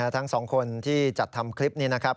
ทั้งสองคนที่จัดทำคลิปนี้นะครับ